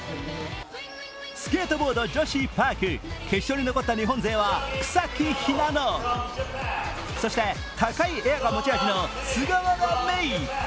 スケートボード女子パーク、決勝に残った日本勢は草木ひなの、そして高いエアが持ち味の菅原芽衣。